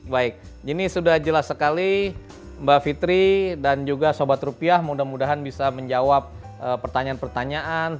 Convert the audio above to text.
baik ini sudah jelas sekali mbak fitri dan juga sobat rupiah mudah mudahan bisa menjawab pertanyaan pertanyaan